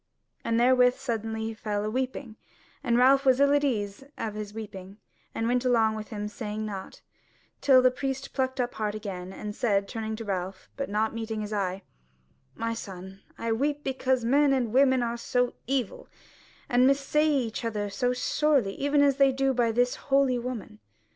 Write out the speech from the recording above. And therewith suddenly he fell a weeping; and Ralph was ill at ease of his weeping, and went along by him saying nought; till the priest plucked up heart again, and said, turning to Ralph, but not meeting his eye: "My son, I weep because men and women are so evil, and mis say each other so sorely, even as they do by this holy woman."